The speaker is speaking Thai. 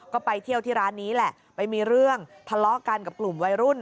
ก็ไปเที่ยวที่ร้านนี้แหละไปมีเรื่องทะเลาะกันกับกลุ่มวัยรุ่น